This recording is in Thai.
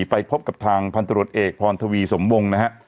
ไปพบกับทางพันธุรกิจเอกพรทวีสมวงนะฮะ